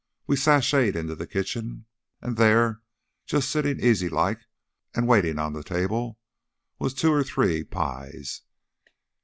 We sashayed into the kitchen an' theah, jus' sittin' easylike an' waitin' right on the table, was two or three pies!